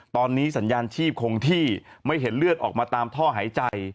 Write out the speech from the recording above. ตอนนี้สัญญาณชีพคงที่ไม่เห็นเลือดออกมาตามท่อหายใจ